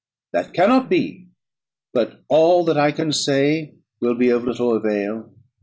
"That cannot be; but all that I can say will be of little avail.